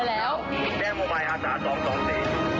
ของท่านได้เสด็จเข้ามาอยู่ในความทรงจำของคน๖๗๐ล้านคนค่ะทุกท่าน